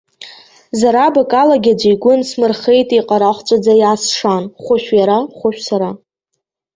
Зарабак алагьы аӡәы игәы нсмырхеит еиҟарахәҵәаӡа иаасшан, хәышә иара, хәышә сара.